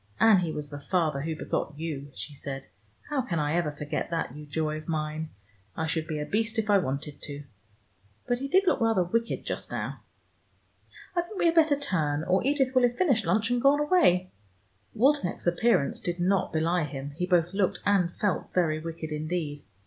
"And he was the father who begot you," she said. "How can I ever forget that, you joy of mine? I should be a beast if I wanted to. But he did look rather wicked just now. I think we had better turn, or Edith will have finished lunch and gone away." Waldenech's appearance did not belie him: he both looked and felt very wicked indeed.